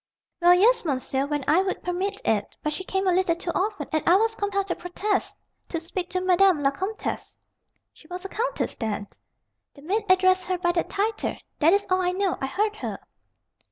"Well, yes, monsieur, when I would permit it. But she came a little too often, and I was compelled to protest, to speak to Madame la Comtesse " "She was a countess, then?" "The maid addressed her by that title. That is all I know. I heard her."